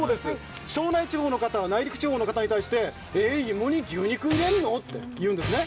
庄内地方の方は内陸地方の方に芋煮牛肉入れるの？って言うんですね。